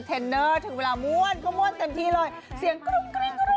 ไม่เชื่อไปฟังกันหน่อยค่ะ